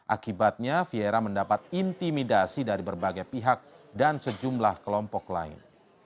akibatnya fiera mendapat intimidasi dari berbagai pihak dan sejumlah kelompok lain